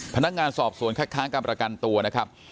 พนักงานสอบสวนคัดค้างการประกันตัวนะครับ